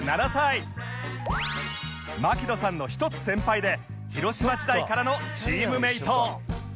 槙野さんの１つ先輩で広島時代からのチームメイト